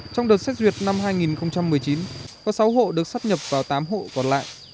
trong đợt xét duyệt năm hai nghìn một mươi chín có sáu hộ được sắp nhập vào tám hộ còn lại